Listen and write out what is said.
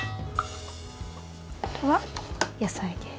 あとは野菜です。